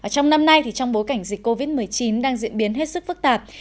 trong năm nay trong bối cảnh dịch covid một mươi chín đang diễn biến hết sức phức tạp